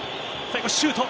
最後、シュート。